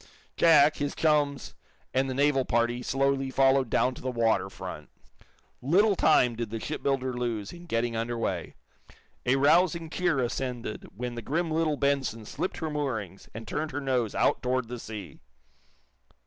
Jack, his chums and the naval party slowly followed down to the water front. Little time did the shipbuilder lose in getting under way. A rousing cheer ascended when the grim little "Benson" slipped her moorings and turned her nose out toward the sea.